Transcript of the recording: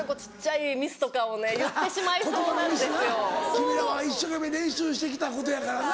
君らは一生懸命練習してきたことやからな。